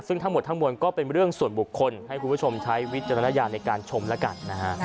ซึ่งทั้งหมดทั้งมวลก็เป็นเรื่องส่วนบุคคลให้คุณผู้ชมใช้วิจารณญาณในการชมแล้วกันนะฮะ